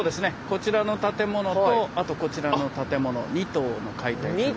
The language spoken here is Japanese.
こちらの建物とあとこちらの建物２棟の解体になります。